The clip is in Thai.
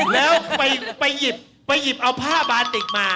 แล้วไปหยิบเอาผ้าบาติกมา